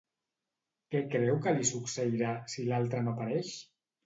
Què creu que li succeirà, si l'altre no apareix?